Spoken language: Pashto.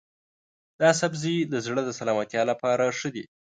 دا سبزی د زړه د سلامتیا لپاره ښه دی.